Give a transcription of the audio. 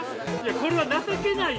これは情けないよ。